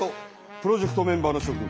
プロジェクトメンバーのしょ君。